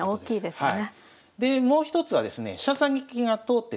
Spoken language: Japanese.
はい。